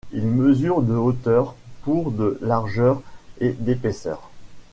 Il mesure de hauteur, pour de largeur et d'épaisseur.